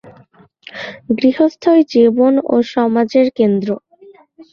গৃহস্থই জীবন ও সমাজের কেন্দ্র।